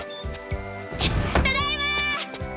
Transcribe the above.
ただいま！